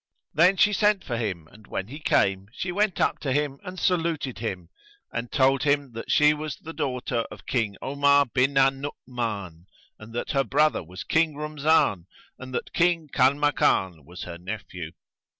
Then she sent for him and when he came, she went up to him and saluted him and told him that she was the daughter of King Omar bin al Nu'uman and that her brother was King Rumzan and that King Kanmakan was her nephew.